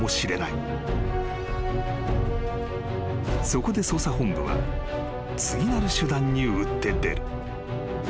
［そこで捜査本部は次なる手段に打って出る］